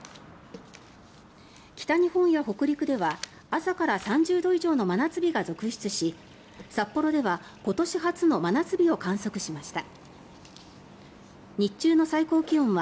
北日本や北陸では朝から３０度以上の真夏日が続出し札幌では今年初の真夏日を観測しました。